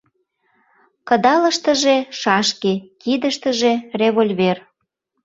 Кыдалыштыже — шашке, кидыштыже — револьвер.